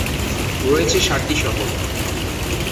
রয়েছে সাতটি শহর।